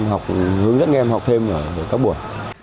và hướng dẫn các em học thêm vào các buổi